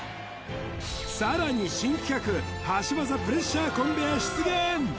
さらに新企画箸技プレッシャーコンベア出現！